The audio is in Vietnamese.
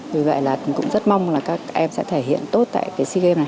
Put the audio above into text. vì vậy là cũng rất mong là các em sẽ thể hiện tốt tại cái sea games này